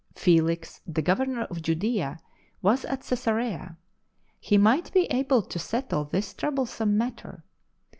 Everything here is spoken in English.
Felix, the Governor of Judea, was at Cesarea; he might be able to settle this troublesome matter.